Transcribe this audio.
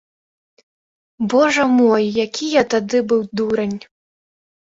Божа мой, які я тады быў дурань.